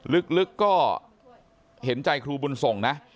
ลึกก็เห็นใจครูบุญส่งนะ